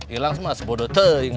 ilang semua sebodoh teh ini